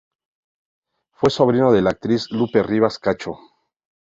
Fue sobrino de la actriz Lupe Rivas Cacho.